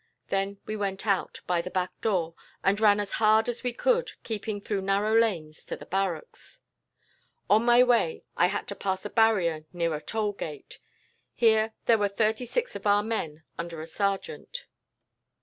Then we went out, by the back door, and ran as hard as we could, keeping through narrow lanes, to the barracks. "On my way, I had to pass a barrier near a toll gate. Here there were thirty six of our men under a sergeant.